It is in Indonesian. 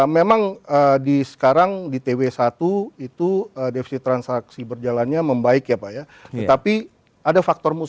memang di sekarang di tw satu itu defisit transaksi berjalannya membaik ya pak ya tetapi ada faktor